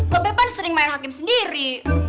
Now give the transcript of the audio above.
babi kan sering main hakim sendiri